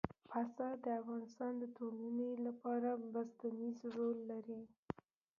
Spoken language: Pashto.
پسه د افغانستان د ټولنې لپاره بنسټيز رول لري.